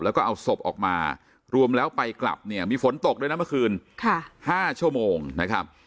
แล้วก็เอาศพออกมารวมแล้วไปกลับเนี่ยมีฝนตกด้วยนะเมื่อคืน๕ชั่วโมงนะครับ